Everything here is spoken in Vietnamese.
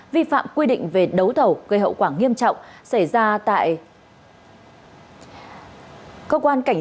vi phạm quy định về đấu thầu gây hậu quả nghiêm trọng xảy ra tại công ty cổ phần tiến bộ quốc tế aic và bệnh viện sản nhi quảng ninh